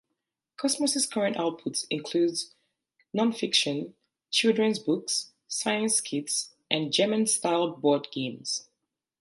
Kosmos's current output includes non-fiction, children's books, science kits and German-style board games.